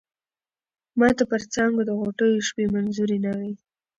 ماته پر څانگو د غوټیو شپې منظوری نه وې